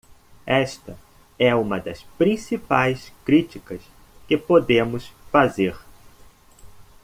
Esta é uma das principais críticas que podemos fazer.